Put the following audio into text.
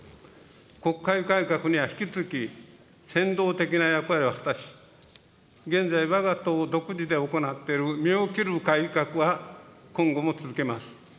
国会改革には引き続き、先導的な役割を果たし、現在、わが党独自で行っている身を切る改革は、今後も続けます。